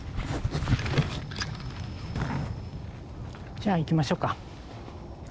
じゃあ行きましょうか。